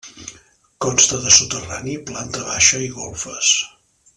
Consta de soterrani, planta baixa i golfes.